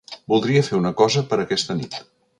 Voldria fer una cosa per aquesta nit.